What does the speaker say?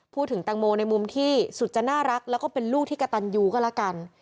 ตังโมในมุมที่สุดจะน่ารักแล้วก็เป็นลูกที่กระตันยูก็แล้วกัน